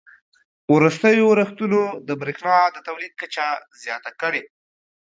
وروستیو اورښتونو د بریښنا د تولید کچه زیاته کړې